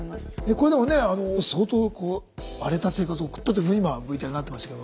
これでもね相当荒れた生活を送ったというふうに今ＶＴＲではなってましたけど。